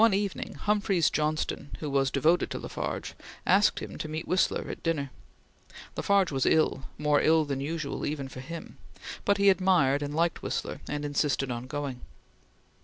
One evening Humphreys Johnston, who was devoted to La Farge, asked him to meet Whistler at dinner. La Farge was ill more ill than usual even for him but he admired and liked Whistler, and insisted on going.